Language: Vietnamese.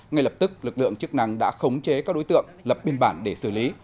ngay lập tức lực lượng chức năng đã khống chế các đối tượng lập biên bản để xử lý